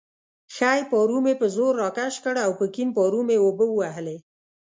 ښی پارو مې په زور راکش کړ او په کیڼ پارو مې اوبه ووهلې.